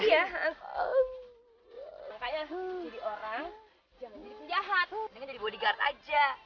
makanya jadi orang jangan jadi penjahat mendingan jadi bodyguard aja